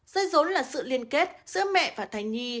dây rốn là sự liên kết giữa mẹ và thành nhi